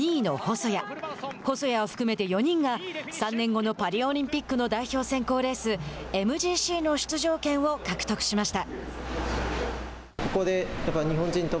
細谷を含めて４人が３年後のパリオリンピックの代表選考レースＭＧＣの出場権を獲得しました。